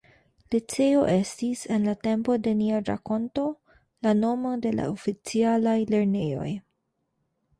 Liceo estis, en la tempo de nia rakonto, la nomo de la oficialaj lernejoj.